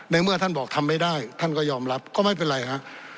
เมื่อท่านบอกทำไม่ได้ท่านก็ยอมรับก็ไม่เป็นไรฮะ